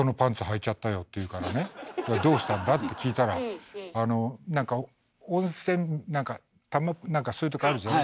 「どうしたんだ？」って聞いたらなんか温泉そういうとこあるじゃない。